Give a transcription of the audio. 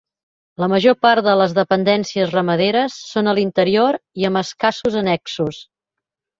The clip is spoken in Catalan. La major part de les dependències ramaderes són a l'interior i amb escassos annexos.